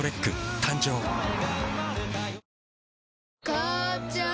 母ちゃん